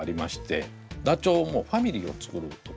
ダチョウもファミリーを作る時があります。